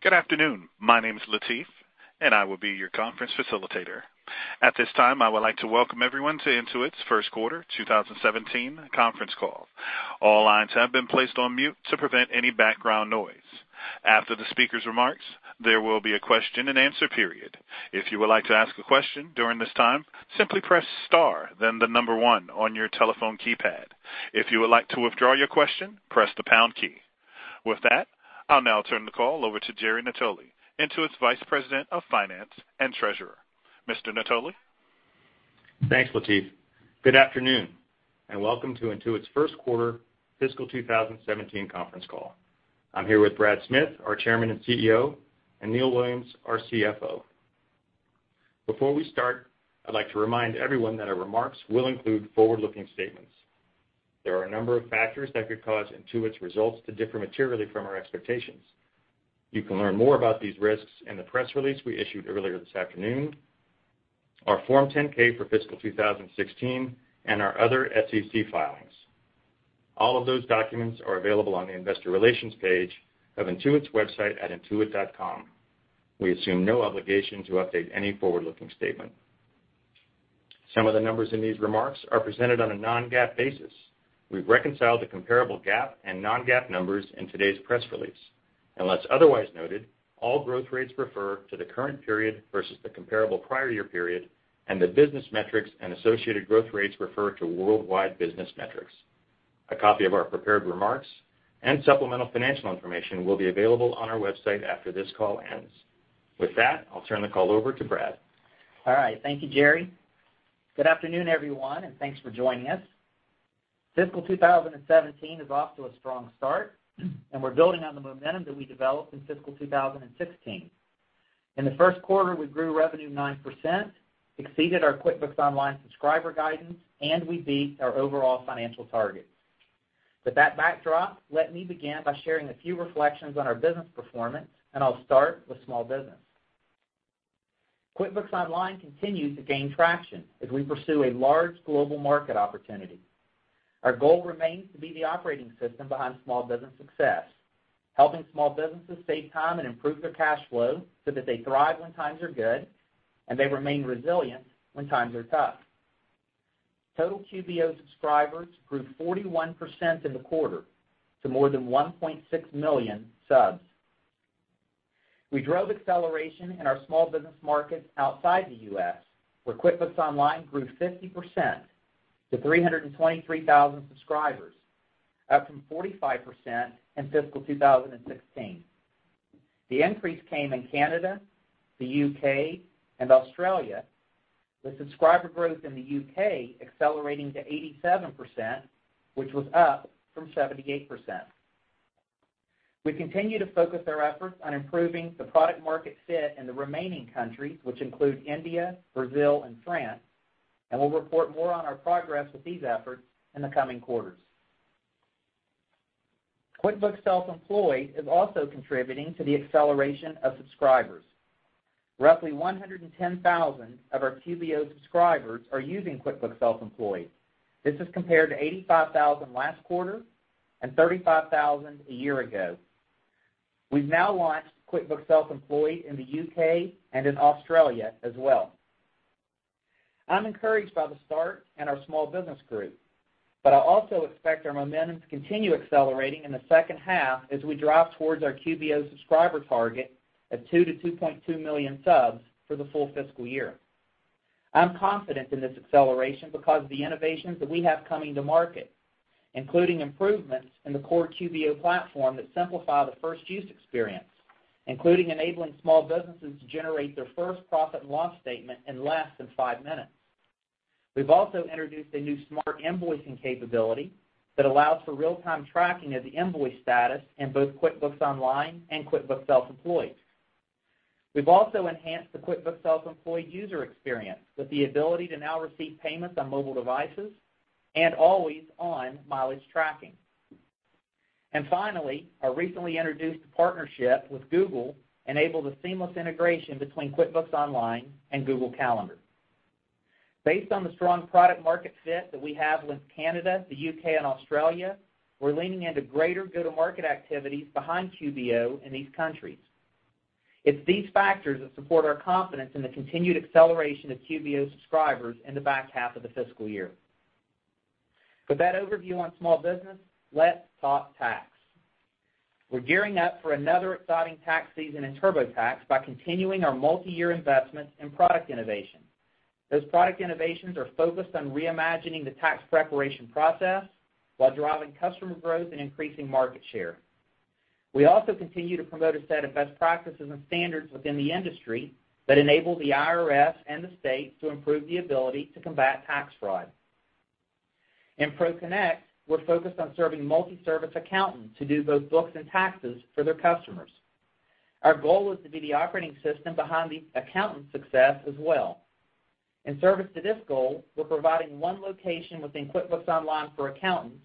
Good afternoon. My name is Latif, and I will be your conference facilitator. At this time, I would like to welcome everyone to Intuit's first quarter 2017 conference call. All lines have been placed on mute to prevent any background noise. After the speaker's remarks, there will be a question and answer period. If you would like to ask a question during this time, simply press star, then the number one on your telephone keypad. If you would like to withdraw your question, press the pound key. With that, I'll now turn the call over to Jerry Natoli, Intuit's Vice President of Finance and Treasurer. Mr. Natoli? Thanks, Latif. Good afternoon, and welcome to Intuit's first quarter fiscal 2017 conference call. I'm here with Brad Smith, our Chairman and CEO, and Neil Williams, our CFO. Before we start, I'd like to remind everyone that our remarks will include forward-looking statements. There are a number of factors that could cause Intuit's results to differ materially from our expectations. You can learn more about these risks in the press release we issued earlier this afternoon, our Form 10-K for fiscal 2016, and our other SEC filings. All of those documents are available on the investor relations page of Intuit's website at intuit.com. We assume no obligation to update any forward-looking statement. Some of the numbers in these remarks are presented on a non-GAAP basis. We've reconciled the comparable GAAP and non-GAAP numbers in today's press release. Unless otherwise noted, all growth rates refer to the current period versus the comparable prior year period, and the business metrics and associated growth rates refer to worldwide business metrics. A copy of our prepared remarks and supplemental financial information will be available on our website after this call ends. With that, I'll turn the call over to Brad. All right. Thank you, Jerry. Good afternoon, everyone, and thanks for joining us. Fiscal 2017 is off to a strong start, and we're building on the momentum that we developed in fiscal 2016. In the first quarter, we grew revenue 9%, exceeded our QuickBooks Online subscriber guidance, and we beat our overall financial targets. With that backdrop, let me begin by sharing a few reflections on our business performance, and I'll start with small business. QuickBooks Online continues to gain traction as we pursue a large global market opportunity. Our goal remains to be the operating system behind small business success, helping small businesses save time and improve their cash flow so that they thrive when times are good, and they remain resilient when times are tough. Total QBO subscribers grew 41% in the quarter to more than 1.6 million subs. We drove acceleration in our small business markets outside the U.S., where QuickBooks Online grew 50% to 323,000 subscribers, up from 45% in fiscal 2016. The increase came in Canada, the U.K., and Australia, with subscriber growth in the U.K. accelerating to 87%, which was up from 78%. We continue to focus our efforts on improving the product market fit in the remaining countries, which include India, Brazil, and France, and we'll report more on our progress with these efforts in the coming quarters. QuickBooks Self-Employed is also contributing to the acceleration of subscribers. Roughly 110,000 of our QBO subscribers are using QuickBooks Self-Employed. This is compared to 85,000 last quarter and 35,000 a year ago. We've now launched QuickBooks Self-Employed in the U.K. and in Australia as well. I'm encouraged by the start in our small business group, I also expect our momentum to continue accelerating in the second half as we drive towards our QBO subscriber target of two to 2.2 million subs for the full fiscal year. I'm confident in this acceleration because of the innovations that we have coming to market, including improvements in the core QBO platform that simplify the first-use experience, including enabling small businesses to generate their first profit and loss statement in less than five minutes. We've also introduced a new smart invoicing capability that allows for real-time tracking of the invoice status in both QuickBooks Online and QuickBooks Self-Employed. We've also enhanced the QuickBooks Self-Employed user experience with the ability to now receive payments on mobile devices and always-on mileage tracking. Finally, our recently introduced partnership with Google enabled a seamless integration between QuickBooks Online and Google Calendar. Based on the strong product market fit that we have with Canada, the U.K., and Australia, we're leaning into greater go-to-market activities behind QBO in these countries. It's these factors that support our confidence in the continued acceleration of QBO subscribers in the back half of the fiscal year. With that overview on small business, let's talk tax. We're gearing up for another exciting tax season in TurboTax by continuing our multi-year investment in product innovation. Those product innovations are focused on reimagining the tax preparation process while driving customer growth and increasing market share. We also continue to promote a set of best practices and standards within the industry that enable the IRS and the states to improve the ability to combat tax fraud. In ProConnect, we're focused on serving multi-service accountants to do both books and taxes for their customers. Our goal is to be the operating system behind the accountant success as well. In service to this goal, we're providing one location within QuickBooks Online for accountants,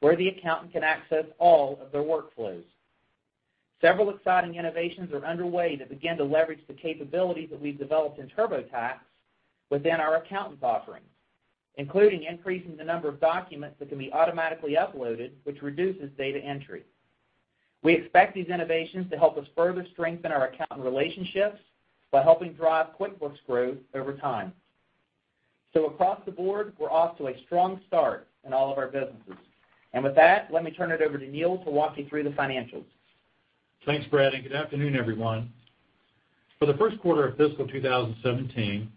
where the accountant can access all of their workflows. Several exciting innovations are underway to begin to leverage the capabilities that we've developed in TurboTax within our accountants offerings, including increasing the number of documents that can be automatically uploaded, which reduces data entry. We expect these innovations to help us further strengthen our accountant relationships by helping drive QuickBooks growth over time. Across the board, we're off to a strong start in all of our businesses. With that, let me turn it over to Neil to walk you through the financials. Thanks, Brad, and good afternoon, everyone. For the first quarter of fiscal 2017,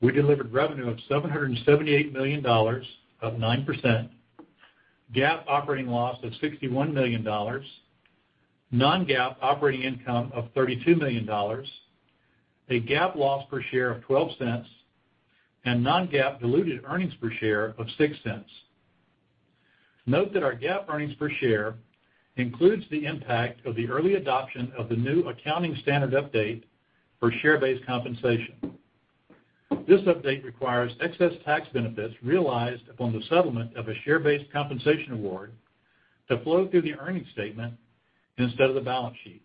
we delivered revenue of $778 million, up 9%, GAAP operating loss of $61 million, non-GAAP operating income of $32 million, a GAAP loss per share of $0.12, and non-GAAP diluted earnings per share of $0.06. Note that our GAAP earnings per share includes the impact of the early adoption of the new accounting standard update for share-based compensation. This update requires excess tax benefits realized upon the settlement of a share-based compensation award to flow through the earnings statement instead of the balance sheet.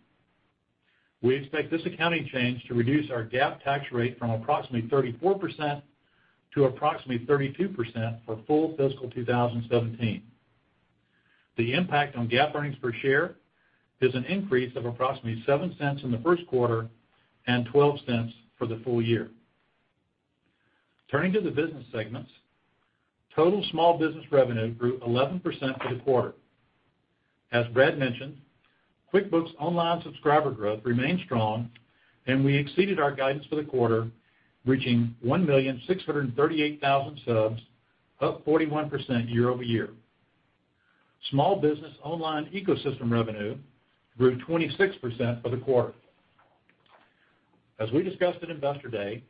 We expect this accounting change to reduce our GAAP tax rate from approximately 34% to approximately 32% for full fiscal 2017. The impact on GAAP earnings per share is an increase of approximately $0.07 in the first quarter and $0.12 for the full year. Turning to the business segments, total small business revenue grew 11% for the quarter. As Brad mentioned, QuickBooks Online subscriber growth remained strong, and we exceeded our guidance for the quarter, reaching 1,638,000 subs, up 41% year-over-year. Small business online ecosystem revenue grew 26% for the quarter. As we discussed at Investor Day,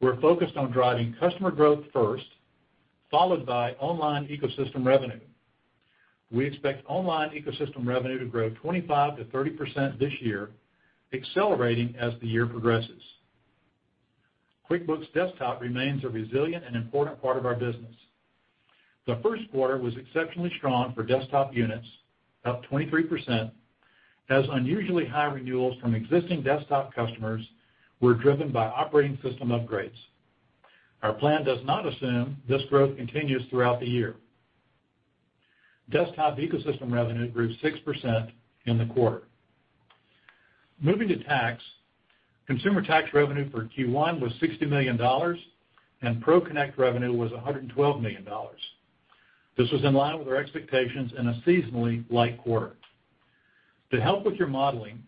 we're focused on driving customer growth first, followed by online ecosystem revenue. We expect online ecosystem revenue to grow 25%-30% this year, accelerating as the year progresses. QuickBooks Desktop remains a resilient and important part of our business. The first quarter was exceptionally strong for desktop units, up 23%, as unusually high renewals from existing desktop customers were driven by operating system upgrades. Our plan does not assume this growth continues throughout the year. Desktop ecosystem revenue grew 6% in the quarter. Moving to tax, consumer tax revenue for Q1 was $60 million, and ProConnect revenue was $112 million. This was in line with our expectations in a seasonally light quarter. To help with your modeling,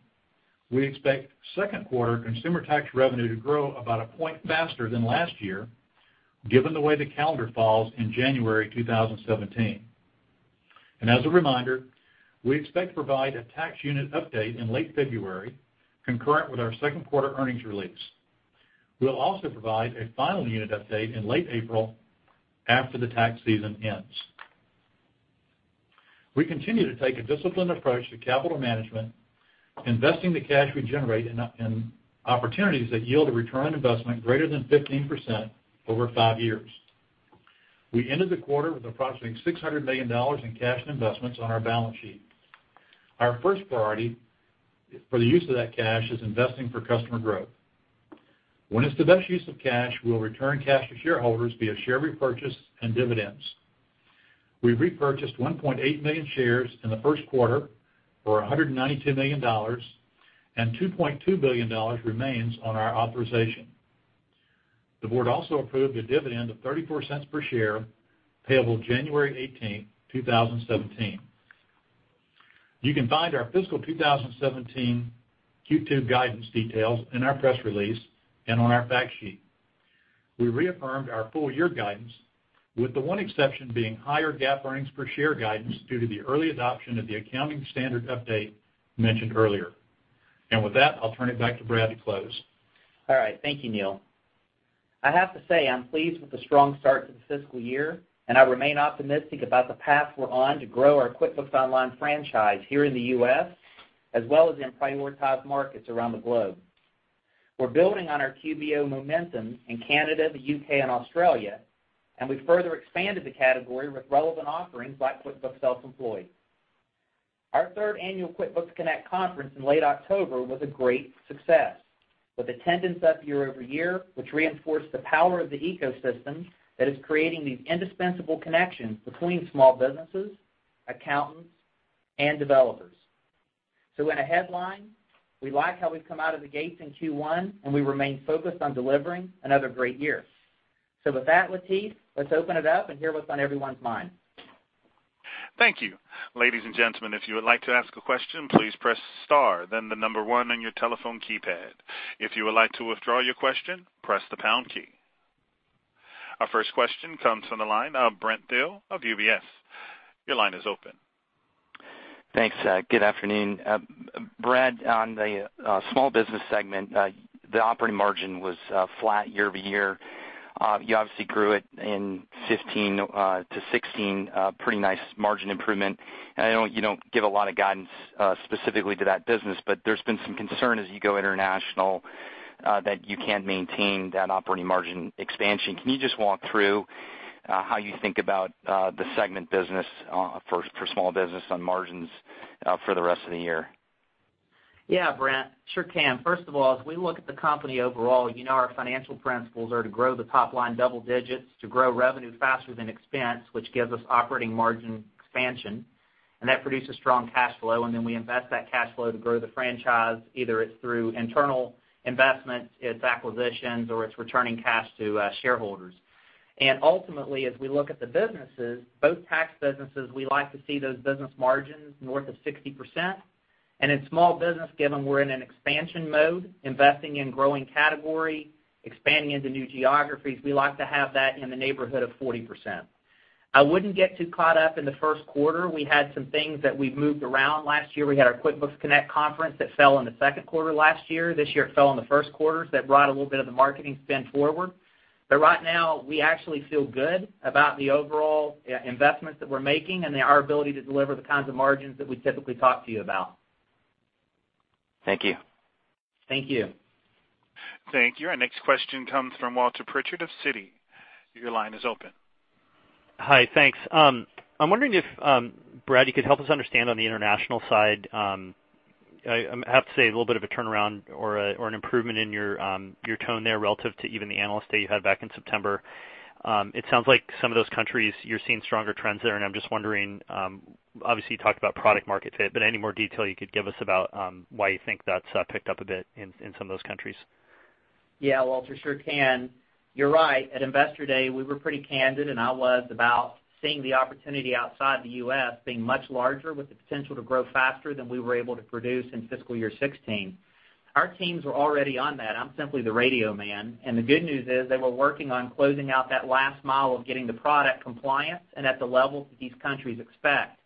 we expect second quarter consumer tax revenue to grow about a point faster than last year, given the way the calendar falls in January 2017. As a reminder, we expect to provide a tax unit update in late February, concurrent with our second quarter earnings release. We'll also provide a final unit update in late April after the tax season ends. We continue to take a disciplined approach to capital management, investing the cash we generate in opportunities that yield a return on investment greater than 15% over five years. We ended the quarter with approximately $600 million in cash and investments on our balance sheet. Our first priority for the use of that cash is investing for customer growth. When it's the best use of cash, we'll return cash to shareholders via share repurchase and dividends. We repurchased 1.8 million shares in the first quarter for $192 million, and $2.2 billion remains on our authorization. The board also approved a dividend of $0.34 per share, payable January 18, 2017. You can find our fiscal 2017 Q2 guidance details in our press release and on our fact sheet. We reaffirmed our full-year guidance, with the one exception being higher GAAP earnings per share guidance due to the early adoption of the accounting standard update mentioned earlier. With that, I'll turn it back to Brad to close. All right. Thank you, Neil. I have to say, I'm pleased with the strong start to the fiscal year, I remain optimistic about the path we're on to grow our QuickBooks Online franchise here in the U.S., as well as in prioritized markets around the globe. We're building on our QBO momentum in Canada, the U.K. and Australia, and we've further expanded the category with relevant offerings like QuickBooks Self-Employed. Our third annual QuickBooks Connect conference in late October was a great success, with attendance up year-over-year, which reinforced the power of the ecosystem that is creating these indispensable connections between small businesses, accountants, and developers. In a headline, we like how we've come out of the gates in Q1, we remain focused on delivering another great year. With that, Latif, let's open it up and hear what's on everyone's mind. Thank you. Ladies and gentlemen, if you would like to ask a question, please press star, then the number one on your telephone keypad. If you would like to withdraw your question, press the pound key. Our first question comes from the line of Brent Thill of UBS. Your line is open. Thanks. Good afternoon. Brad, on the small business segment, the operating margin was flat year-over-year. You obviously grew it in 2015-2016, pretty nice margin improvement. I know you don't give a lot of guidance specifically to that business, but there's been some concern as you go international, that you can't maintain that operating margin expansion. Can you just walk through how you think about the segment business for small business on margins for the rest of the year. Yeah, Brent. Sure can. First of all, as we look at the company overall, you know our financial principles are to grow the top line double digits, to grow revenue faster than expense, which gives us operating margin expansion, that produces strong cash flow. Then we invest that cash flow to grow the franchise, either it's through internal investments, it's acquisitions, or it's returning cash to shareholders. Ultimately, as we look at the businesses, both tax businesses, we like to see those business margins north of 60%. In small business, given we're in an expansion mode, investing in growing category, expanding into new geographies, we like to have that in the neighborhood of 40%. I wouldn't get too caught up in the first quarter. We had some things that we moved around last year. We had our QuickBooks Connect conference that fell in the second quarter last year. This year, it fell in the first quarter. That brought a little bit of the marketing spend forward. Right now, we actually feel good about the overall investments that we're making and our ability to deliver the kinds of margins that we typically talk to you about. Thank you. Thank you. Thank you. Our next question comes from Walter Pritchard of Citi. Your line is open. Hi. Thanks. I'm wondering if, Brad, you could help us understand on the international side, I have to say, a little bit of a turnaround or an improvement in your tone there relative to even the Investor Day you had back in September. It sounds like some of those countries, you're seeing stronger trends there. I'm just wondering, obviously, you talked about product market fit, but any more detail you could give us about why you think that's picked up a bit in some of those countries? Yeah, Walter, sure can. You're right. At Investor Day, we were pretty candid, and I was, about seeing the opportunity outside the U.S. being much larger with the potential to grow faster than we were able to produce in fiscal year 2016. Our teams were already on that. I'm simply the radio man. The good news is they were working on closing out that last mile of getting the product compliant and at the level that these countries expect.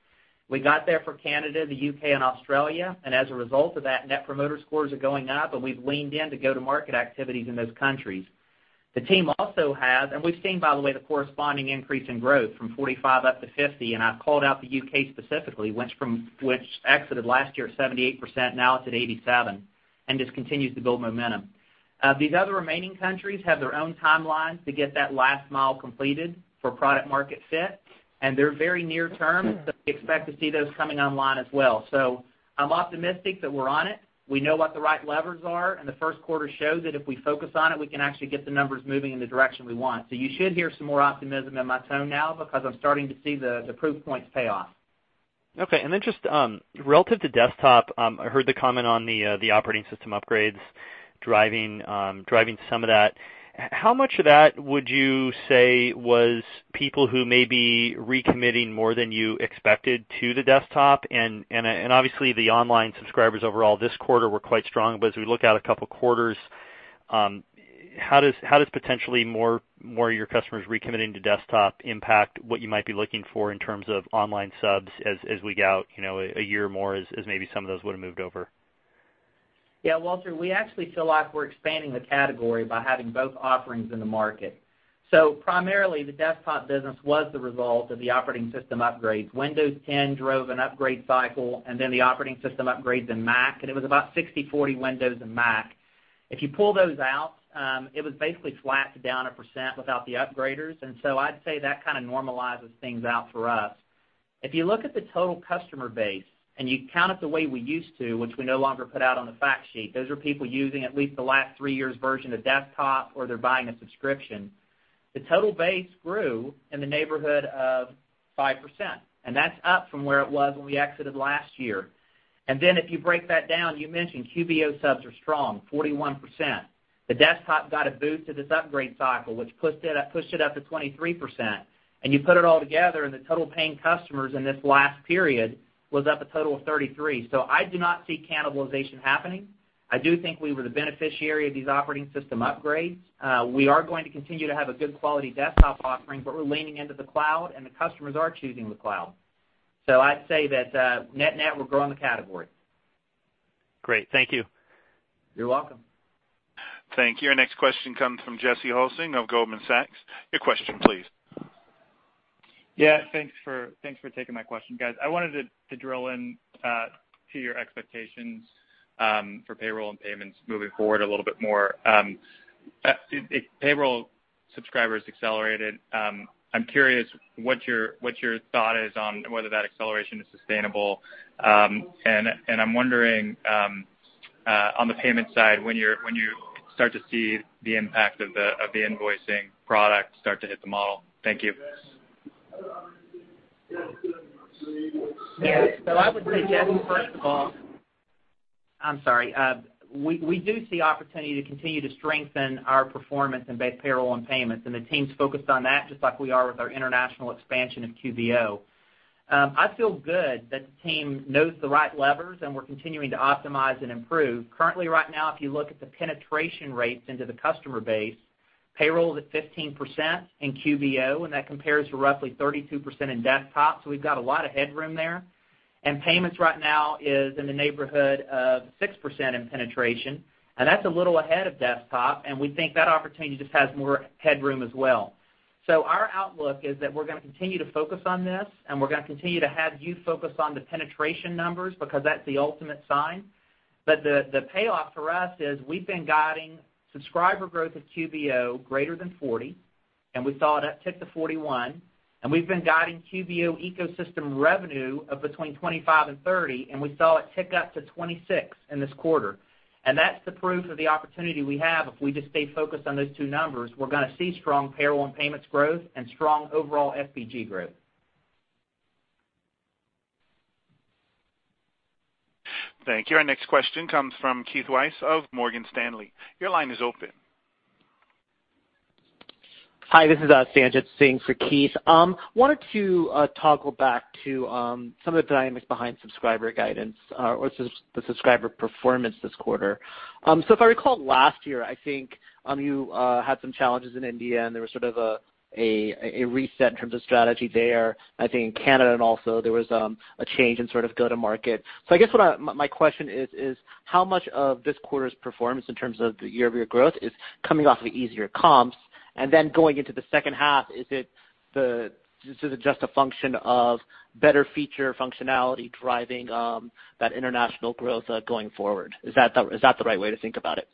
We got there for Canada, the U.K., and Australia. As a result of that, net promoter scores are going up, and we've leaned in to go-to-market activities in those countries. The team also has. We've seen, by the way, the corresponding increase in growth from 45% up to 50%. I've called out the U.K. specifically, which exited last year at 78%, now it's at 87%, and just continues to build momentum. These other remaining countries have their own timelines to get that last mile completed for product market fit. They're very near term, so we expect to see those coming online as well. I'm optimistic that we're on it. We know what the right levers are. The first quarter showed that if we focus on it, we can actually get the numbers moving in the direction we want. You should hear some more optimism in my tone now because I'm starting to see the proof points pay off. Okay. Then just relative to desktop, I heard the comment on the operating system upgrades driving some of that. How much of that would you say was people who may be recommitting more than you expected to the desktop? Obviously, the online subscribers overall this quarter were quite strong, but as we look out a couple quarters, how does potentially more of your customers recommitting to desktop impact what you might be looking for in terms of online subs as we get out a year or more as maybe some of those would've moved over? Walter, we actually feel like we're expanding the category by having both offerings in the market. Primarily, the desktop business was the result of the operating system upgrades. Windows 10 drove an upgrade cycle, then the operating system upgrades in Mac, it was about 60/40 Windows and Mac. If you pull those out, it was basically flat to down 1% without the upgraders, I'd say that kind of normalizes things out for us. If you look at the total customer base, and you count it the way we used to, which we no longer put out on the fact sheet, those are people using at least the last three years' version of desktop, or they're buying a subscription. The total base grew in the neighborhood of 5%, and that's up from where it was when we exited last year. If you break that down, you mentioned QBO subs are strong, 41%. The desktop got a boost to this upgrade cycle, which pushed it up to 23%, you put it all together, the total paying customers in this last period was up a total of 33%. I do not see cannibalization happening. I do think we were the beneficiary of these operating system upgrades. We are going to continue to have a good quality desktop offering, but we're leaning into the cloud, the customers are choosing the cloud. I'd say that net-net, we're growing the category. Great. Thank you. You're welcome. Thank you. Our next question comes from Jesse Hulsing of Goldman Sachs. Your question please. Yeah, thanks for taking my question, guys. I wanted to drill in to your expectations for payroll and payments moving forward a little bit more. Payroll subscribers accelerated. I'm curious what your thought is on whether that acceleration is sustainable. I'm wondering, on the payment side, when you start to see the impact of the invoicing product start to hit the model. Thank you. Yeah. I would say, Jesse, first of all I'm sorry. We do see opportunity to continue to strengthen our performance in both payroll and payments, and the team's focused on that just like we are with our international expansion of QBO. I feel good that the team knows the right levers, and we're continuing to optimize and improve. Currently, right now, if you look at the penetration rates into the customer base, payroll is at 15% in QBO, and that compares to roughly 32% in desktop, so we've got a lot of headroom there. Payments right now is in the neighborhood of 6% in penetration, and that's a little ahead of desktop, and we think that opportunity just has more headroom as well. Our outlook is that we're going to continue to focus on this, and we're going to continue to have you focus on the penetration numbers because that's the ultimate sign. The payoff for us is we've been guiding subscriber growth of QBO greater than 40%, and we saw it uptick to 41%, and we've been guiding QBO ecosystem revenue of between 25%-30%, and we saw it tick up to 26% in this quarter. That's the proof of the opportunity we have. If we just stay focused on those two numbers, we're going to see strong payroll and payments growth and strong overall FPG growth. Thank you. Our next question comes from Keith Weiss of Morgan Stanley. Your line is open. Hi, this is Sanjit Singh for Keith. Wanted to toggle back to some of the dynamics behind subscriber guidance or the subscriber performance this quarter. If I recall last year, I think, you had some challenges in India, and there was sort of a reset in terms of strategy there. I think in Canada also, there was a change in go-to-market. I guess what my question is how much of this quarter's performance in terms of the year-over-year growth is coming off of easier comps? Going into the second half, is it just a function of better feature functionality driving that international growth going forward? Is that the right way to think about it?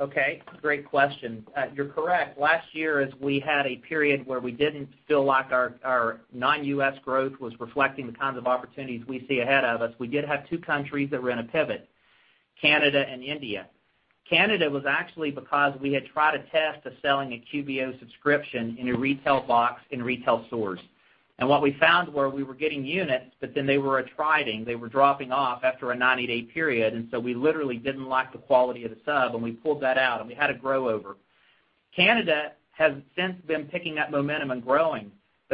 Okay. Great question. You're correct. Last year, as we had a period where we didn't feel like our non-U.S. growth was reflecting the kinds of opportunities we see ahead of us, we did have two countries that were in a pivot, Canada and India. Canada was actually because we had tried a test of selling a QBO subscription in a retail box in retail stores. What we found were we were getting units, they were attriting. They were dropping off after a 90-day period, we literally didn't like the quality of the sub, we pulled that out, and we had a grow over. Canada has since been picking up momentum and growing.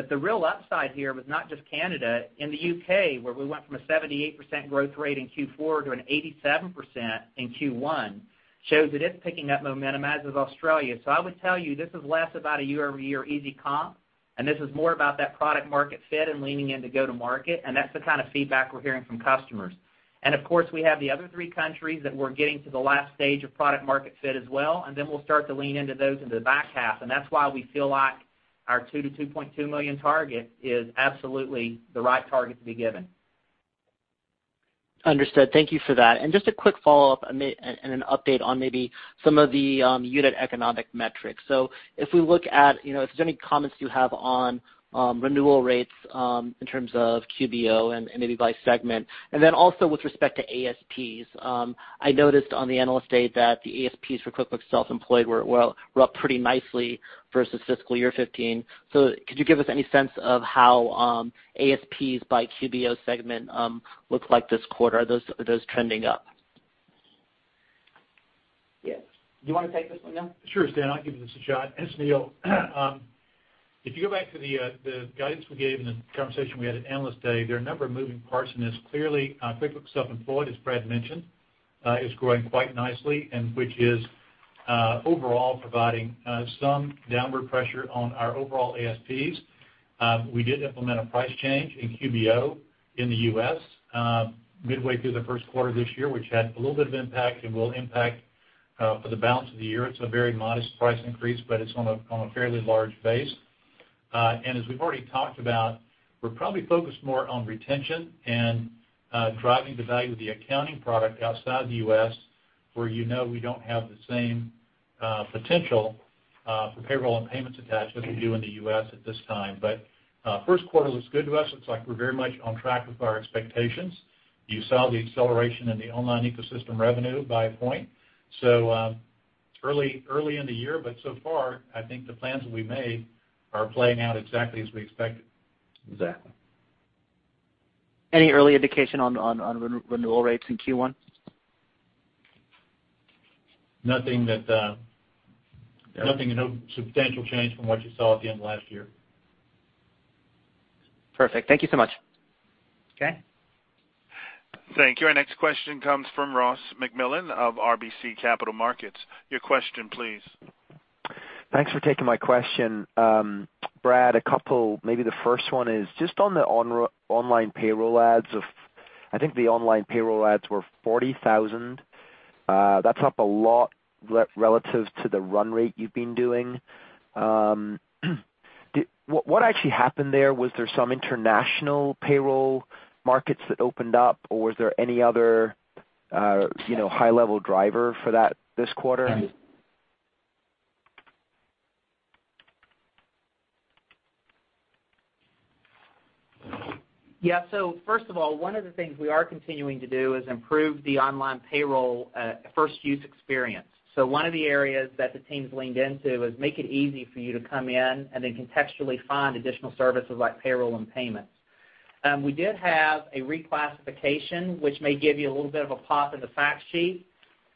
The real upside here was not just Canada. In the U.K., where we went from a 78% growth rate in Q4 to an 87% in Q1, shows that it's picking up momentum, as is Australia. I would tell you, this is less about a year-over-year easy comp, this is more about that product market fit and leaning in to go-to-market, that's the kind of feedback we're hearing from customers. Of course, we have the other three countries that we're getting to the last stage of product market fit as well, we'll start to lean into those in the back half. That's why we feel like our $2 million-$2.2 million target is absolutely the right target to be given. Understood. Thank you for that. Just a quick follow-up and an update on maybe some of the unit economic metrics. If we look at if there's any comments you have on renewal rates in terms of QBO and maybe by segment. Also with respect to ASPs, I noticed on the Analyst Day that the ASPs for QuickBooks Self-Employed were up pretty nicely versus fiscal year 2015. Could you give us any sense of how ASPs by QBO segment look like this quarter? Are those trending up? Yes. Do you want to take this one, Neil? Sure, Stan. I'll give this a shot. It's Neil. If you go back to the guidance we gave in the conversation we had at Analyst Day, there are a number of moving parts in this. Clearly, QuickBooks Self-Employed, as Brad mentioned, is growing quite nicely, which is overall providing some downward pressure on our overall ASPs. We did implement a price change in QBO in the U.S. midway through the first quarter this year, which had a little bit of impact and will impact for the balance of the year. It's a very modest price increase, but it's on a fairly large base. As we've already talked about, we're probably focused more on retention and driving the value of the accounting product outside the U.S., where you know we don't have the same potential for payroll and payments attachment we do in the U.S. at this time. First quarter looks good to us. Looks like we're very much on track with our expectations. You saw the acceleration in the online ecosystem revenue by a point. Early in the year, but so far, I think the plans we made are playing out exactly as we expected. Exactly. Any early indication on renewal rates in Q1? Nothing, no substantial change from what you saw at the end of last year. Perfect. Thank you so much. Okay. Thank you. Our next question comes from Ross MacMillan of RBC Capital Markets. Your question, please. Thanks for taking my question. Brad, a couple, maybe the first one is just on the online payroll adds of, I think the online payroll adds were 40,000. That's up a lot relative to the run rate you've been doing. What actually happened there? Was there some international payroll markets that opened up, or was there any other high-level driver for that this quarter? Yeah. First of all, one of the things we are continuing to do is improve the online payroll first use experience. One of the areas that the team's leaned into is make it easy for you to come in and then contextually find additional services like payroll and payments. We did have a reclassification, which may give you a little bit of a pop in the fact sheet,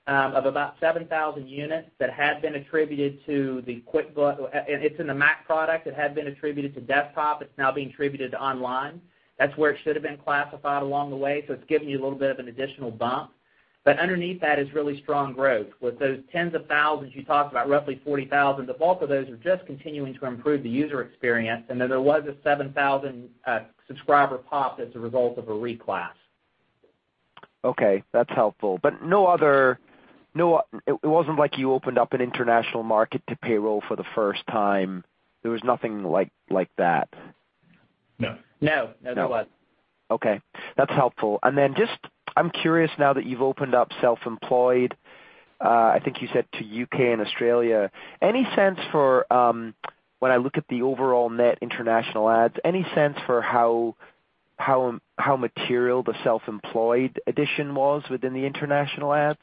of about 7,000 units that had been attributed to the QuickBooks Mac product. It had been attributed to Desktop. It's now being attributed to Online. That's where it should've been classified along the way, so it's giving you a little bit of an additional bump. Underneath that is really strong growth. With those tens of thousands, you talked about roughly 40,000, the bulk of those are just continuing to improve the user experience, and then there was a 7,000 subscriber pop as a result of a reclass. Okay. That's helpful. It wasn't like you opened up an international market to payroll for the first time. There was nothing like that? No. No. Neither was. Okay. That's helpful. I'm curious now that you've opened up Self-Employed, I think you said to U.K. and Australia. When I look at the overall net international adds, any sense for how material the Self-Employed addition was within the international adds?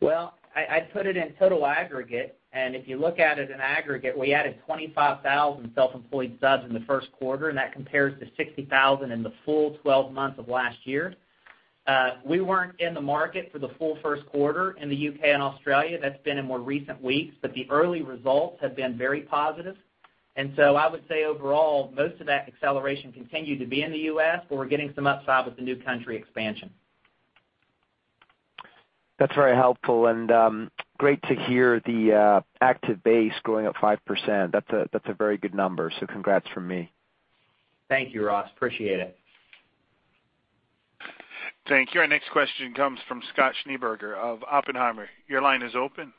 Well, I put it in total aggregate, and if you look at it in aggregate, we added 25,000 Self-Employed subs in the first quarter, and that compares to 60,000 in the full 12 months of last year. We weren't in the market for the full first quarter in the U.K. and Australia. That's been in more recent weeks, but the early results have been very positive. I would say overall, most of that acceleration continued to be in the U.S., but we're getting some upside with the new country expansion. That's very helpful, and great to hear the active base going up 5%. That's a very good number. Congrats from me. Thank you, Ross. Appreciate it. Thank you. Our next question comes from Scott Schneeberger of Oppenheimer. Your line is open.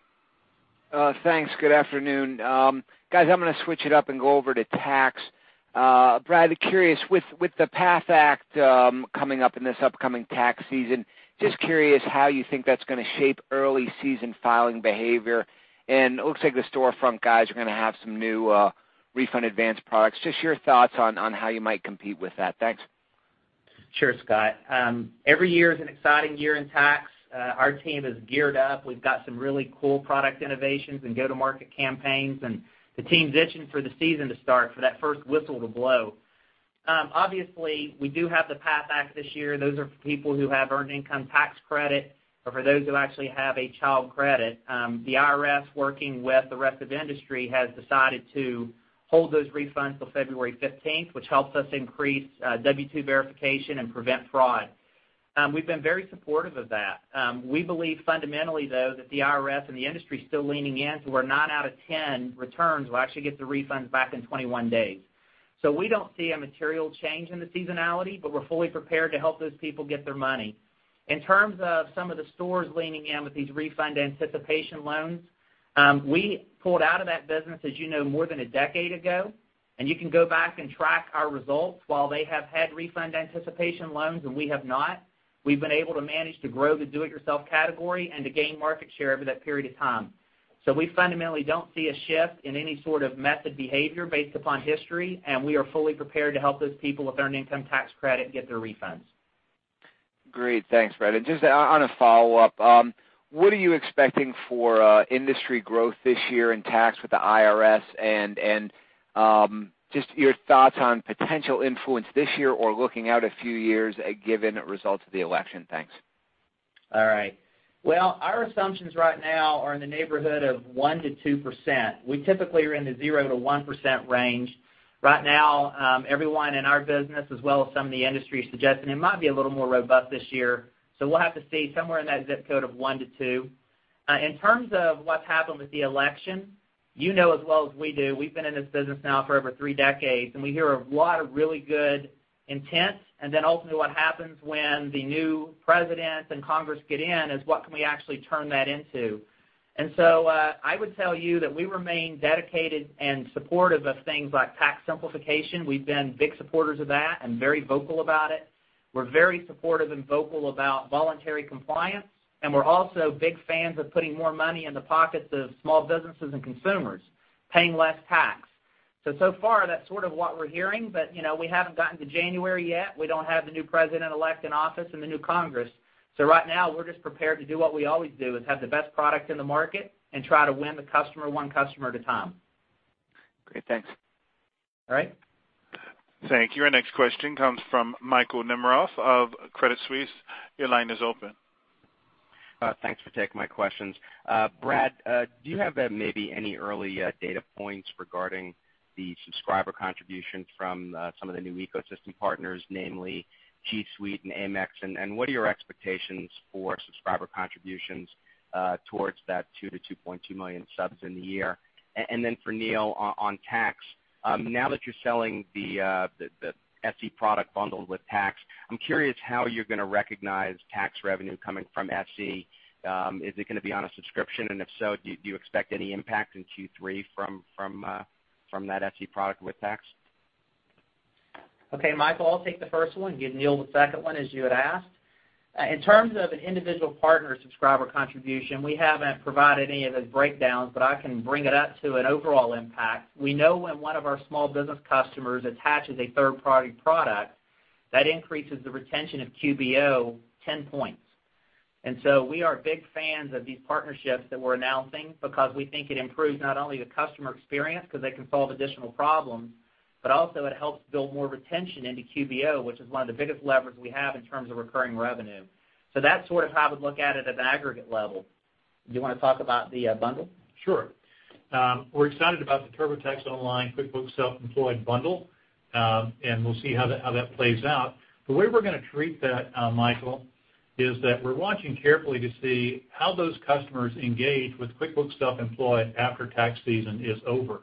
Thanks. Good afternoon. Guys, I'm going to switch it up and go over to tax. Brad, curious, with the PATH Act coming up in this upcoming tax season, just curious how you think that's going to shape early season filing behavior. It looks like the storefront guys are going to have some new refund advance products. Just your thoughts on how you might compete with that. Thanks. Sure, Scott. Every year is an exciting year in tax. Our team is geared up. We've got some really cool product innovations and go-to-market campaigns, and the team's itching for the season to start, for that first whistle to blow. Obviously, we do have the PATH Act this year. Those are for people who have earned income tax credit or for those who actually have a child credit. The IRS, working with the rest of the industry, has decided to hold those refunds till February 15th, which helps us increase W-2 verification and prevent fraud. We've been very supportive of that. We believe fundamentally, though, that the IRS and the industry is still leaning in, so we're not out of 10 returns will actually get the refunds back in 21 days. We don't see a material change in the seasonality, we're fully prepared to help those people get their money. In terms of some of the stores leaning in with these refund anticipation loans, we pulled out of that business, as you know, more than a decade ago, and you can go back and track our results. While they have had refund anticipation loans and we have not, we've been able to manage to grow the do-it-yourself category and to gain market share over that period of time. We fundamentally don't see a shift in any sort of method behavior based upon history, and we are fully prepared to help those people with earned income tax credit get their refunds. Great. Thanks, Brad. Just on a follow-up, what are you expecting for industry growth this year in tax with the IRS? Just your thoughts on potential influence this year or looking out a few years given results of the election. Thanks. All right. Well, our assumptions right now are in the neighborhood of 1%-2%. We typically are in the 0%-1% range. Right now, everyone in our business, as well as some of the industry, is suggesting it might be a little more robust this year. We'll have to see somewhere in that ZIP code of one to two. In terms of what's happened with the election, you know as well as we do, we've been in this business now for over three decades, we hear a lot of really good intents, ultimately what happens when the new president and Congress get in is what can we actually turn that into. I would tell you that we remain dedicated and supportive of things like tax simplification. We've been big supporters of that, very vocal about it. We're very supportive, vocal about voluntary compliance, we're also big fans of putting more money in the pockets of small businesses and consumers paying less tax. Far, that's sort of what we're hearing, we haven't gotten to January yet. We don't have the new president-elect in office and the new Congress. Right now, we're just prepared to do what we always do, is have the best product in the market and try to win the customer one customer at a time. Great. Thanks. All right. Thank you. Our next question comes from Michael Nemeroff of Credit Suisse. Your line is open. Thanks for taking my questions. Brad, do you have maybe any early data points regarding the subscriber contribution from some of the new ecosystem partners, namely G Suite and Amex, and what are your expectations for subscriber contributions towards that 2 million-2.2 million subs in the year? Then for Neil, on tax, now that you're selling the SE product bundled with tax, I'm curious how you're going to recognize tax revenue coming from SE. Is it going to be on a subscription? If so, do you expect any impact in Q3 from that SE product with tax? Okay, Michael, I'll take the first one, give Neil the second one as you had asked. In terms of an individual partner subscriber contribution, we haven't provided any of those breakdowns, but I can bring it up to an overall impact. We know when one of our small business customers attaches a third-party product, that increases the retention of QBO 10 points. We are big fans of these partnerships that we're announcing because we think it improves not only the customer experience because they can solve additional problems, but also it helps build more retention into QBO, which is one of the biggest levers we have in terms of recurring revenue. That's sort of how I would look at it at an aggregate level. Do you want to talk about the bundle? Sure. We're excited about the TurboTax Online/QuickBooks Self-Employed bundle, and we'll see how that plays out. The way we're going to treat that, Michael, is that we're watching carefully to see how those customers engage with QuickBooks Self-Employed after tax season is over.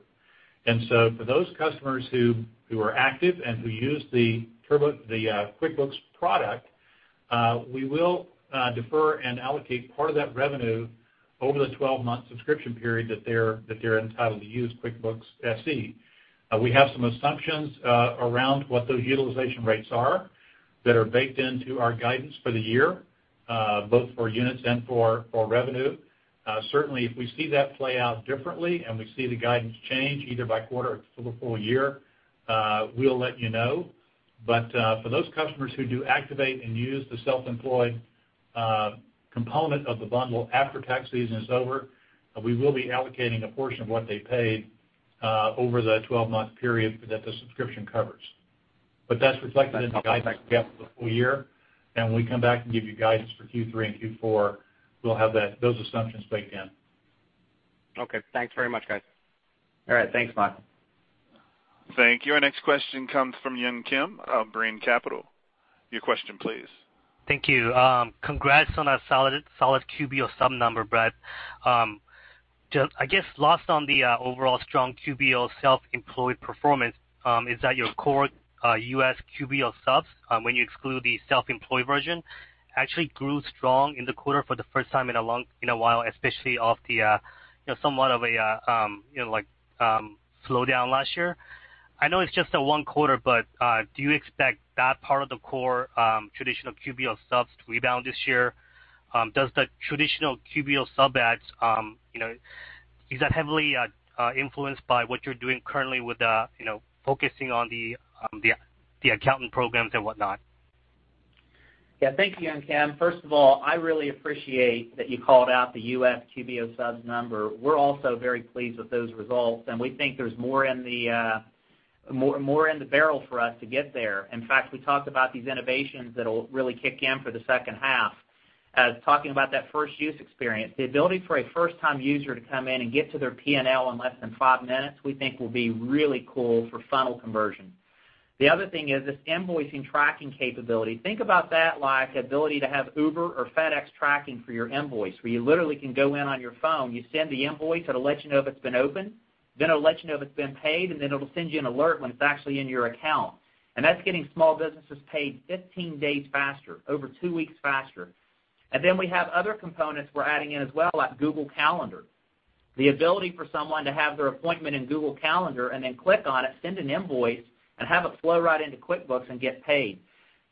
For those customers who are active and who use the QuickBooks product We will defer and allocate part of that revenue over the 12-month subscription period that they're entitled to use QuickBooks Self-Employed. We have some assumptions around what those utilization rates are that are baked into our guidance for the year, both for units and for revenue. Certainly, if we see that play out differently and we see the guidance change either by quarter or for the full year, we'll let you know. For those customers who do activate and use the self-employed component of the bundle after tax season is over, we will be allocating a portion of what they paid over the 12-month period that the subscription covers. That's reflected in the guidance we have for the full year. When we come back and give you guidance for Q3 and Q4, we'll have those assumptions baked in. Okay. Thanks very much, guys. All right. Thanks, Mike. Thank you. Our next question comes from Yun Kim of Brean Capital. Your question, please. Thank you. Congrats on a solid QBO sub number, Brad. I guess lost on the overall strong QBO Self-Employed performance is that your core U.S. QBO subs, when you exclude the Self-Employed version, actually grew strong in the quarter for the first time in a while, especially off somewhat of a slowdown last year. I know it's just one quarter, do you expect that part of the core traditional QBO subs to rebound this year? Is that heavily influenced by what you're doing currently with focusing on the accountant programs and whatnot? Yeah. Thank you, Yun Kim. First of all, I really appreciate that you called out the U.S. QBO subs number. We're also very pleased with those results. We think there's more in the barrel for us to get there. In fact, we talked about these innovations that'll really kick in for the second half. Talking about that first use experience, the ability for a first-time user to come in and get to their P&L in less than five minutes, we think will be really cool for funnel conversion. The other thing is this invoicing tracking capability. Think about that like the ability to have Uber or FedEx tracking for your invoice, where you literally can go in on your phone, you send the invoice, it'll let you know if it's been opened, then it'll let you know if it's been paid, and then it'll send you an alert when it's actually in your account. That's getting small businesses paid 15 days faster, over two weeks faster. We have other components we're adding in as well, like Google Calendar. The ability for someone to have their appointment in Google Calendar and then click on it, send an invoice, and have it flow right into QuickBooks and get paid.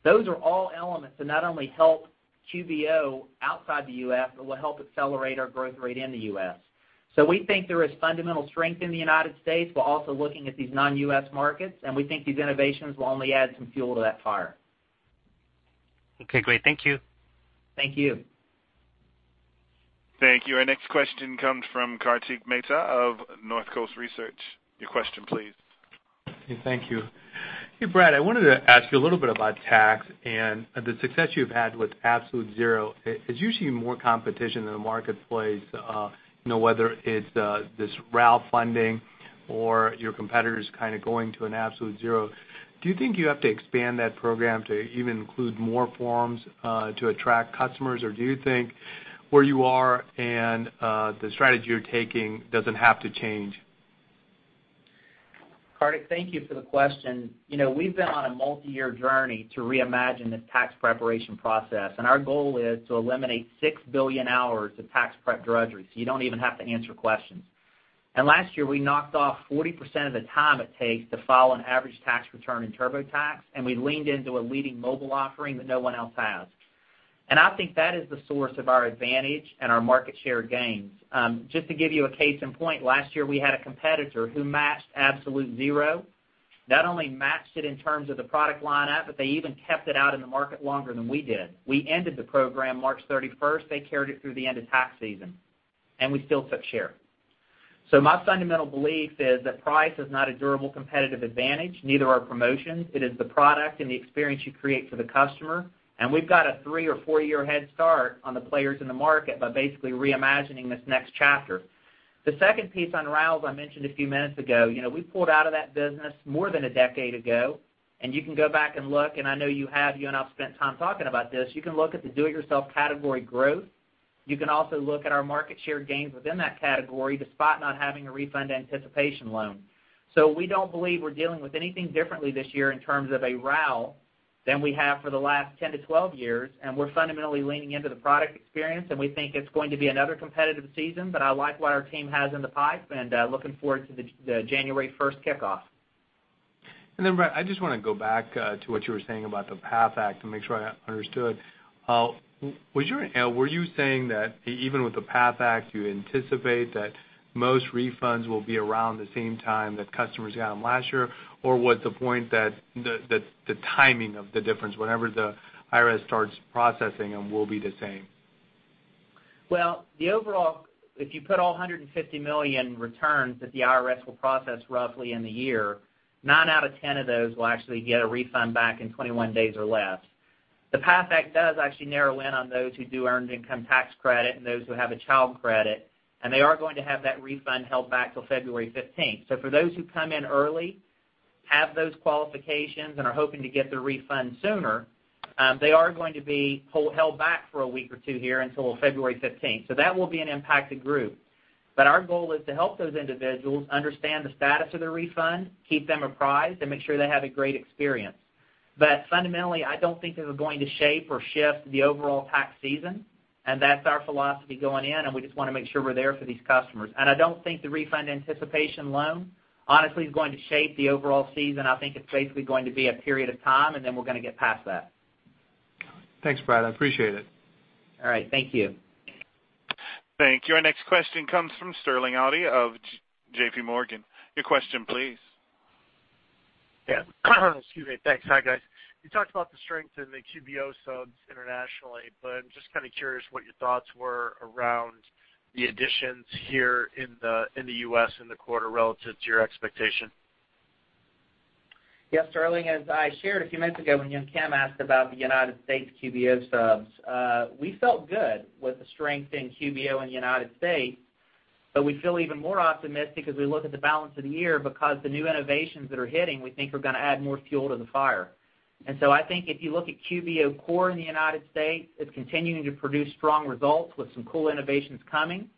Those are all elements that not only help QBO outside the U.S., but will help accelerate our growth rate in the U.S. We think there is fundamental strength in the United States. We're also looking at these non-U.S. markets, we think these innovations will only add some fuel to that fire. Okay, great. Thank you. Thank you. Thank you. Our next question comes from Kartik Mehta of Northcoast Research. Your question, please. Thank you. Hey, Brad, I wanted to ask you a little bit about tax and the success you've had with Absolute Zero. As you see more competition in the marketplace, whether it's this RAL funding or your competitors kind of going to an Absolute Zero, do you think you have to expand that program to even include more forms to attract customers? Or do you think where you are and the strategy you're taking doesn't have to change? Kartik, thank you for the question. We've been on a multi-year journey to reimagine this tax preparation process. Our goal is to eliminate 6 billion hours of tax prep drudgery, so you don't even have to answer questions. Last year, we knocked off 40% of the time it takes to file an average tax return in TurboTax, and we leaned into a leading mobile offering that no one else has. I think that is the source of our advantage and our market share gains. Just to give you a case in point, last year, we had a competitor who matched Absolute Zero, not only matched it in terms of the product lineup, but they even kept it out in the market longer than we did. We ended the program March 31st. They carried it through the end of tax season, and we still took share. My fundamental belief is that price is not a durable competitive advantage, neither are promotions. It is the product and the experience you create for the customer, and we've got a three or four-year head start on the players in the market by basically reimagining this next chapter. The second piece on RALs I mentioned a few minutes ago, we pulled out of that business more than a decade ago, and you can go back and look, and I know you have. You and I've spent time talking about this. You can look at the do-it-yourself category growth. You can also look at our market share gains within that category, despite not having a refund anticipation loan. We don't believe we're dealing with anything differently this year in terms of a RAL than we have for the last 10 to 12 years. We're fundamentally leaning into the product experience. We think it's going to be another competitive season. I like what our team has in the pipe, looking forward to the January 1st kickoff. Brad, I just want to go back to what you were saying about the PATH Act and make sure I understood. Were you saying that even with the PATH Act, you anticipate that most refunds will be around the same time that customers got them last year? Was the point that the timing of the difference, whenever the IRS starts processing them, will be the same? Well, if you put all 150 million returns that the IRS will process roughly in the year, nine out of 10 of those will actually get a refund back in 21 days or less. The PATH Act does actually narrow in on those who do earned income tax credit and those who have a child credit. They are going to have that refund held back till February 15th. For those who come in early, have those qualifications, and are hoping to get the refund sooner, they are going to be held back for a week or two here until February 15th. That will be an impacted group. Our goal is to help those individuals understand the status of their refund, keep them apprised, and make sure they have a great experience. Fundamentally, I don't think this is going to shape or shift the overall tax season. That's our philosophy going in. We just want to make sure we're there for these customers. I don't think the refund anticipation loan, honestly, is going to shape the overall season. I think it's basically going to be a period of time. Then we're going to get past that. Thanks, Brad. I appreciate it. All right. Thank you. Thank you. Our next question comes from Sterling Auty of JPMorgan. Your question, please. Yeah. Excuse me. Thanks. Hi, guys. You talked about the strength in the QBO subs internationally, but I'm just kind of curious what your thoughts were around the additions here in the U.S. in the quarter relative to your expectation. Yes, Sterling, as I shared a few minutes ago, when Young Kim asked about the United States QBO subs, we felt good with the strength in QBO in the United States, but we feel even more optimistic as we look at the balance of the year because the new innovations that are hitting, we think, are going to add more fuel to the fire. I think if you look at QBO Core in the United States, it's continuing to produce strong results with some cool innovations coming.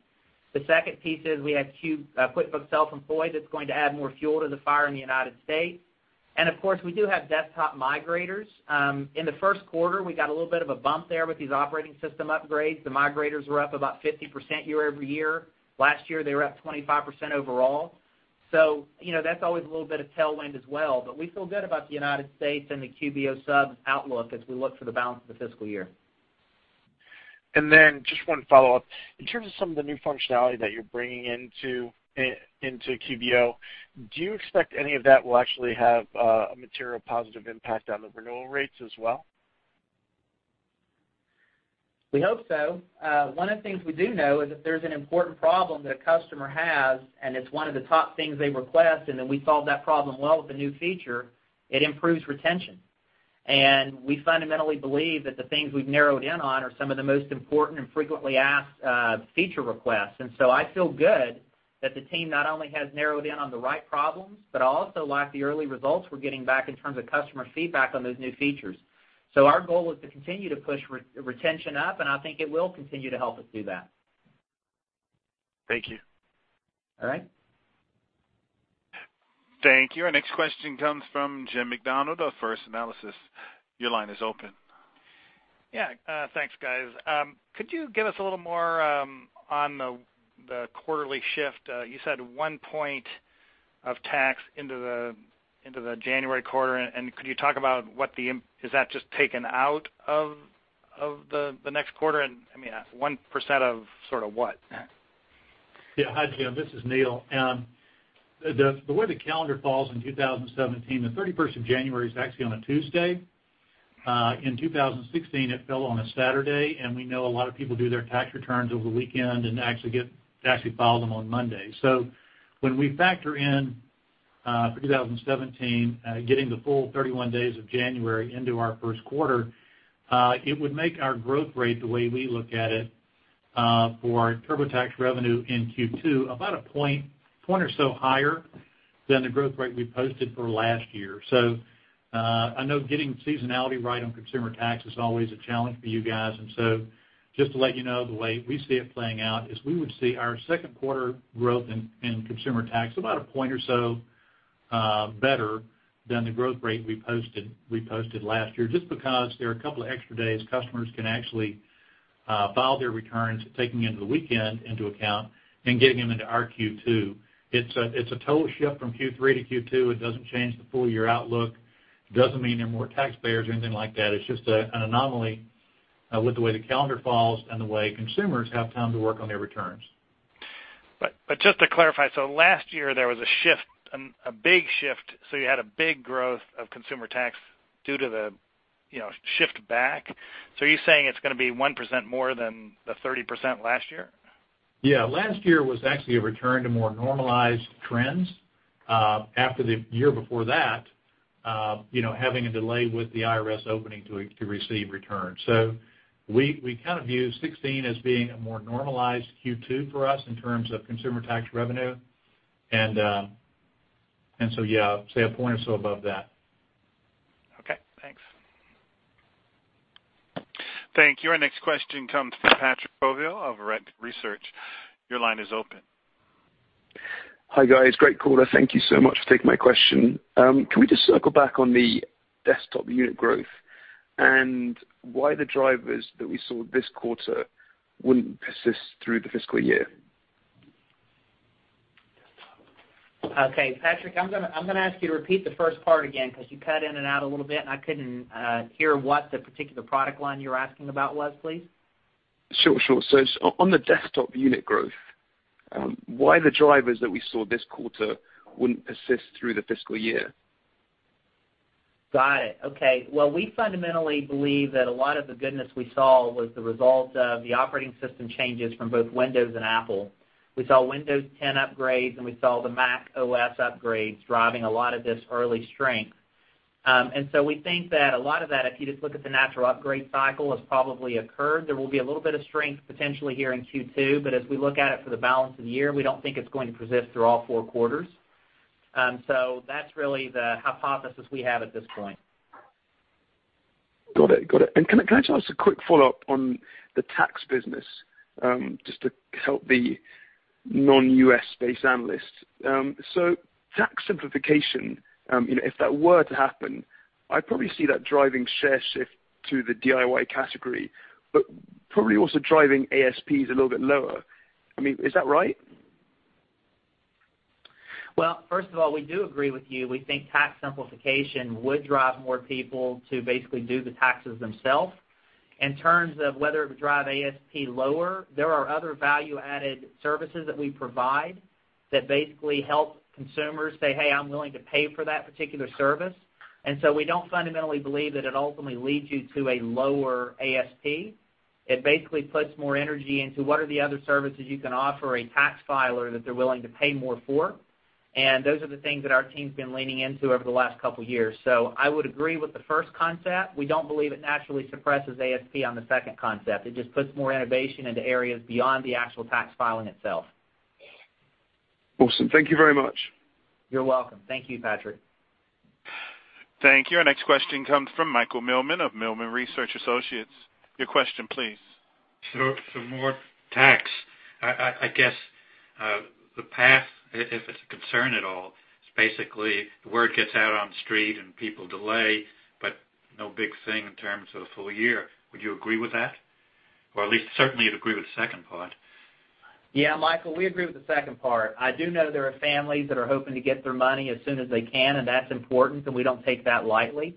The second piece is we have QuickBooks Self-Employed that's going to add more fuel to the fire in the United States. Of course, we do have desktop migrators. In the first quarter, we got a little bit of a bump there with these operating system upgrades. The migrators were up about 50% year-over-year. Last year, they were up 25% overall. That's always a little bit of tailwind as well. We feel good about the United States and the QBO sub outlook as we look for the balance of the fiscal year. Just one follow-up. In terms of some of the new functionality that you're bringing into QBO, do you expect any of that will actually have a material positive impact on the renewal rates as well? We hope so. One of the things we do know is if there's an important problem that a customer has and it's one of the top things they request, we solve that problem well with a new feature, it improves retention. We fundamentally believe that the things we've narrowed in on are some of the most important and frequently asked feature requests. I feel good that the team not only has narrowed in on the right problems, but I also like the early results we're getting back in terms of customer feedback on those new features. Our goal is to continue to push retention up, I think it will continue to help us do that. Thank you. All right. Thank you. Our next question comes from Jim Macdonald of First Analysis. Your line is open. Yeah. Thanks, guys. Could you give us a little more on the quarterly shift? You said one point of tax into the January quarter, could you talk about is that just taken out of the next quarter? I mean, 1% of sort of what? Yeah. Hi, Jim. This is Neil. The way the calendar falls in 2017, the 31st of January is actually on a Tuesday. In 2016, it fell on a Saturday, and we know a lot of people do their tax returns over the weekend and actually file them on Monday. When we factor in for 2017, getting the full 31 days of January into our first quarter, it would make our growth rate, the way we look at it, for TurboTax revenue in Q2 about a point or so higher than the growth rate we posted for last year. I know getting seasonality right on consumer tax is always a challenge for you guys, just to let you know, the way we see it playing out is we would see our second quarter growth in consumer tax about a point or so better than the growth rate we posted last year, just because there are a couple of extra days customers can actually file their returns, taking into the weekend into account and getting them into our Q2. It's a total shift from Q3 to Q2. It doesn't change the full-year outlook. It doesn't mean there are more taxpayers or anything like that. It's just an anomaly with the way the calendar falls and the way consumers have time to work on their returns. Just to clarify, last year, there was a shift, a big shift, you had a big growth of consumer tax due to the shift back. Are you saying it's going to be 1% more than the 30% last year? Yeah. Last year was actually a return to more normalized trends after the year before that, having a delay with the IRS opening to receive returns. We kind of view 2016 as being a more normalized Q2 for us in terms of consumer tax revenue. Yeah, say a point or so above that. Okay, thanks. Thank you. Our next question comes from Patrick Bovill of Redburn Research. Your line is open. Hi, guys. Great quarter. Thank you so much for taking my question. Can we just circle back on the Desktop unit growth and why the drivers that we saw this quarter wouldn't persist through the fiscal year? Okay, Patrick, I'm going to ask you to repeat the first part again because you cut in and out a little bit, and I couldn't hear what the particular product line you were asking about was, please. Sure. On the desktop unit growth, why the drivers that we saw this quarter wouldn't persist through the fiscal year? Got it. Okay. Well, we fundamentally believe that a lot of the goodness we saw was the result of the operating system changes from both Windows and Apple. We saw Windows 10 upgrades, and we saw the macOS upgrades driving a lot of this early strength. We think that a lot of that, if you just look at the natural upgrade cycle, has probably occurred. There will be a little bit of strength potentially here in Q2, but as we look at it for the balance of the year, we don't think it's going to persist through all four quarters. That's really the hypothesis we have at this point. Got it. Can I just ask a quick follow-up on the tax business, just to help the non-U.S. based analysts. Tax simplification, if that were to happen, I'd probably see that driving share shift to the DIY category, but probably also driving ASPs a little bit lower. Is that right? Well, first of all, we do agree with you. We think tax simplification would drive more people to basically do the taxes themselves. In terms of whether it would drive ASP lower, there are other value-added services that we provide that basically help consumers say, "Hey, I'm willing to pay for that particular service." We don't fundamentally believe that it ultimately leads you to a lower ASP. It basically puts more energy into what are the other services you can offer a tax filer that they're willing to pay more for, and those are the things that our team's been leaning into over the last couple of years. I would agree with the first concept. We don't believe it naturally suppresses ASP on the second concept. It just puts more innovation into areas beyond the actual tax filing itself. Awesome. Thank you very much. You're welcome. Thank you, Patrick. Thank you. Our next question comes from Michael Millman of Millman Research Associates. Your question, please. More tax, I guess, the PATH, if it's a concern at all, is basically word gets out on the street and people delay, but no big thing in terms of the full year. Would you agree with that? Or at least certainly you'd agree with the second part. Michael, we agree with the second part. I do know there are families that are hoping to get their money as soon as they can, and that's important, and we don't take that lightly.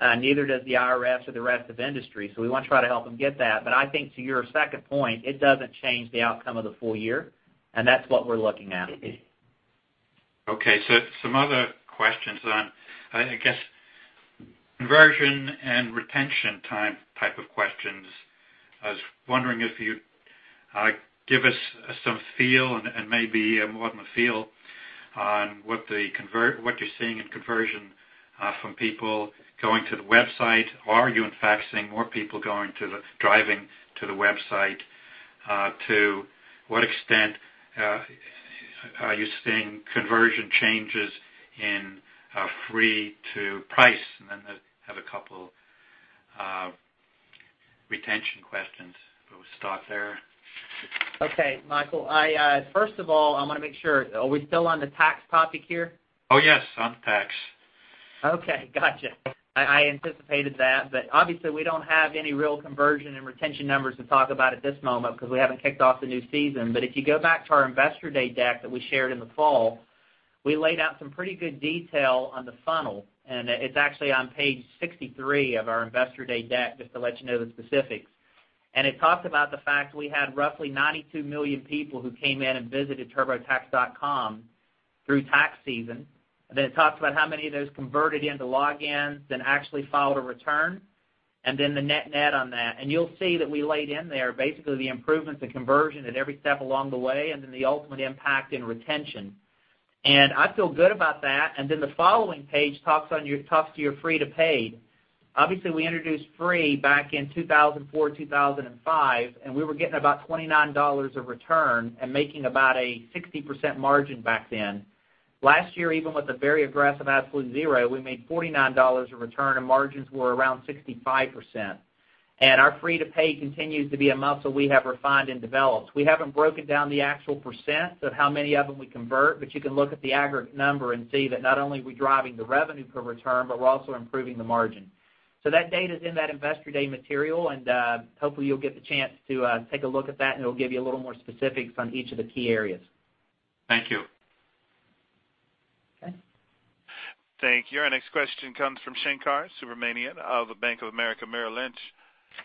Neither does the IRS or the rest of industry, we want to try to help them get that. I think to your second point, it doesn't change the outcome of the full year, and that's what we're looking at. Okay. Some other questions on, I guess, conversion and retention type of questions. I was wondering if you'd give us some feel and maybe more than a feel on what you're seeing in conversion from people going to the website. Are you in fact seeing more people driving to the website? To what extent are you seeing conversion changes in free to price? Then I have a couple retention questions. We'll start there. Okay, Michael. First of all, I want to make sure, are we still on the tax topic here? Oh, yes. On tax. Okay, got you. Obviously we don't have any real conversion and retention numbers to talk about at this moment because we haven't kicked off the new season. If you go back to our Investor Day deck that we shared in the fall, we laid out some pretty good detail on the funnel, and it's actually on page 63 of our Investor Day deck, just to let you know the specifics. It talked about the fact we had roughly 92 million people who came in and visited turbotax.com through tax season. Then it talked about how many of those converted into logins, then actually filed a return, and then the net on that. You'll see that we laid in there basically the improvements in conversion at every step along the way, and then the ultimate impact in retention. I feel good about that. Then the following page talks to your free to paid. Obviously, we introduced Free back in 2004, 2005, and we were getting about $29 a return and making about a 60% margin back then. Last year, even with a very aggressive Absolute Zero, we made $49 a return, and margins were around 65%. Our free to pay continues to be a muscle we have refined and developed. We haven't broken down the actual % of how many of them we convert, but you can look at the aggregate number and see that not only are we driving the revenue per return, but we're also improving the margin. That data's in that Investor Day material, and hopefully you'll get the chance to take a look at that, and it'll give you a little more specifics on each of the key areas. Thank you. Okay. Thank you. Our next question comes from Shankar Subramaniam of Bank of America Merrill Lynch.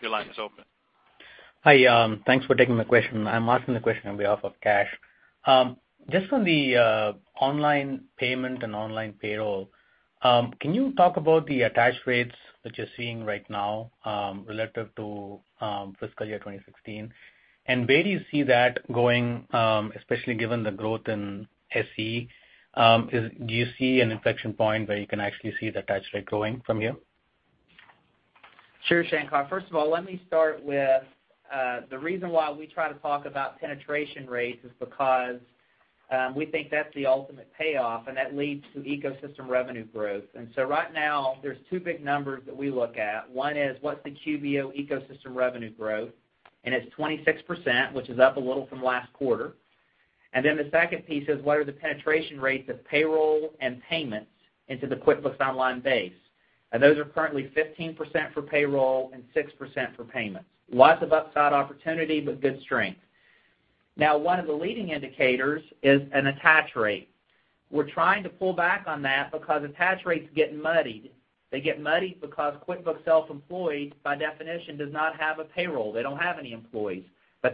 Your line is open. Hi, thanks for taking my question. I'm asking the question on behalf of Kash. Just on the online payment and online payroll, can you talk about the attach rates that you're seeing right now, relative to fiscal year 2016? Where do you see that going, especially given the growth in SE? Do you see an inflection point where you can actually see the attach rate growing from here? Sure, Shankar. First of all, let me start with the reason why we try to talk about penetration rates is because we think that's the ultimate payoff, and that leads to ecosystem revenue growth. Right now, there's two big numbers that we look at. One is what's the QBO ecosystem revenue growth? It's 26%, which is up a little from last quarter. The second piece is what are the penetration rates of payroll and payments into the QuickBooks Online base? Those are currently 15% for payroll and 6% for payments. Lots of upside opportunity, but good strength. Now, one of the leading indicators is an attach rate. We're trying to pull back on that because attach rates get muddied. They get muddied because QuickBooks Self-Employed, by definition, does not have a payroll. They don't have any employees.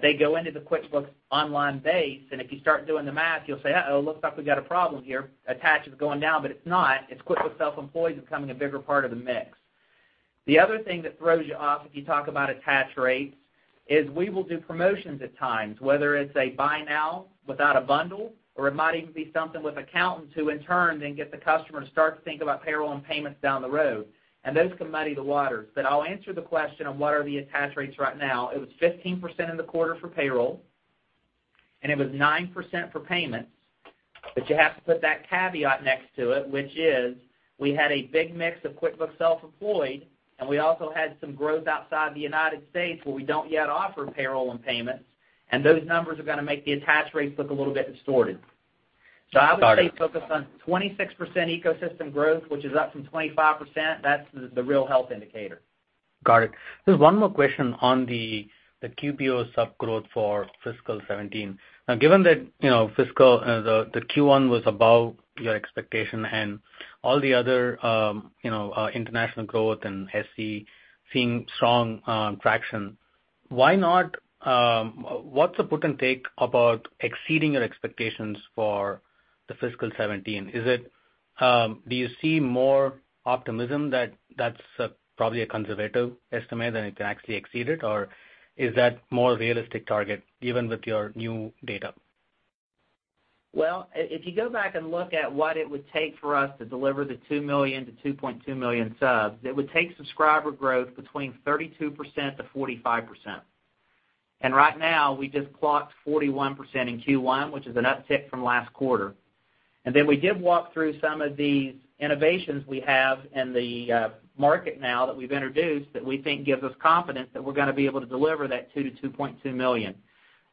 They go into the QuickBooks Online base, and if you start doing the math, you'll say, "Looks like we got a problem here. Attach is going down," but it's not. It's QuickBooks Self-Employed is becoming a bigger part of the mix. The other thing that throws you off if you talk about attach rates is we will do promotions at times, whether it's a buy now without a bundle, or it might even be something with accountants who in turn then get the customer to start to think about payroll and payments down the road, and those can muddy the waters. I'll answer the question on what are the attach rates right now. It was 15% in the quarter for payroll. It was 9% for payments. You have to put that caveat next to it, which is we had a big mix of QuickBooks Self-Employed, and we also had some growth outside the United States where we don't yet offer payroll and payments, and those numbers are going to make the attach rates look a little bit distorted. Got it. I would say focus on 26% ecosystem growth, which is up from 25%. That's the real health indicator. Got it. Just one more question on the QBO sub growth for fiscal 2017. Given that the Q1 was above your expectation and all the other international growth and SE seeing strong traction, what's the give and take about exceeding your expectations for the fiscal 2017? Do you see more optimism that that's probably a conservative estimate and it can actually exceed it? Or is that more realistic target given with your new data? If you go back and look at what it would take for us to deliver the 2 million-2.2 million subs, it would take subscriber growth between 32%-45%. Right now, we just clocked 41% in Q1, which is an uptick from last quarter. We did walk through some of the innovations we have in the market now that we've introduced that we think gives us confidence that we're going to be able to deliver that 2-2.2 million.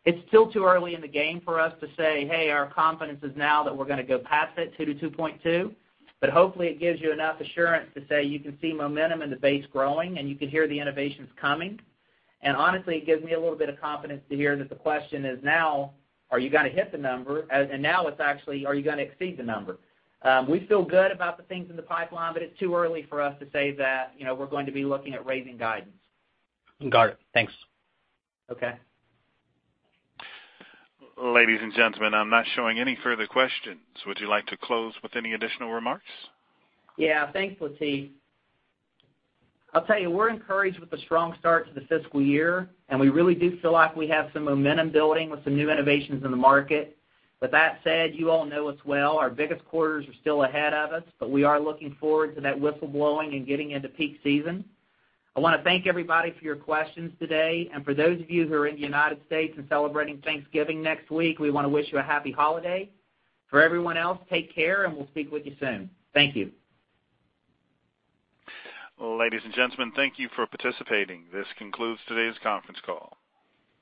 It's still too early in the game for us to say, "Hey, our confidence is now that we're going to go past that 2-2.2." Hopefully it gives you enough assurance to say you can see momentum in the base growing, and you can hear the innovations coming. Honestly, it gives me a little bit of confidence to hear that the question is now, "Are you going to hit the number?" Now it's actually, "Are you going to exceed the number?" We feel good about the things in the pipeline, it's too early for us to say that we're going to be looking at raising guidance. Got it. Thanks. Okay. Ladies and gentlemen, I'm not showing any further questions. Would you like to close with any additional remarks? Yeah. Thanks, Lateef. I'll tell you, we're encouraged with the strong start to the fiscal year, we really do feel like we have some momentum building with some new innovations in the market. With that said, you all know us well. Our biggest quarters are still ahead of us, we are looking forward to that whistle blowing and getting into peak season. I want to thank everybody for your questions today. For those of you who are in the United States and celebrating Thanksgiving next week, we want to wish you a happy holiday. For everyone else, take care, and we'll speak with you soon. Thank you. Ladies and gentlemen, thank you for participating. This concludes today's conference call.